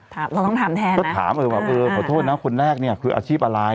เราต้องถามแทนก็ถามเออว่าเออขอโทษนะคนแรกเนี่ยคืออาชีพอะไร